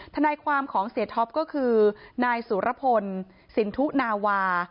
ทนายความของเสียท็อปก็คือนายสุรพลสินทุนาวา